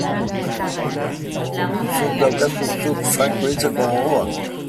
Zuk daukazu, zuk, Franco hiltzeko gogoa?